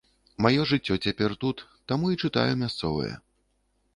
Маё жыццё цяпер тут, таму і чытаю мясцовыя.